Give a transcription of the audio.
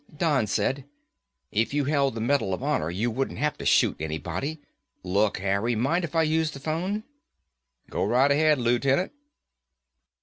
Don said, "If you held the Medal of Honor, you wouldn't have to shoot anybody. Look, Harry, mind if I use the phone?" "Go right ahead, Lootenant."